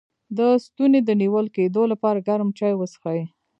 د ستوني د نیول کیدو لپاره ګرم چای وڅښئ